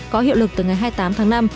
có hiệu lực từ ngày hai mươi tám tháng năm